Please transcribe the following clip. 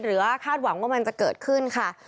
หรือว่าคาดหวังว่ามันจะเกิดขึ้นค่ะ